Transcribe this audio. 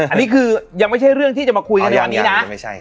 อันนี้คือยังไม่ใช่เรื่องที่จะมาคุยกันในวันนี้นะ